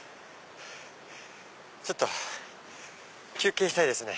ちょっと休憩したいですね。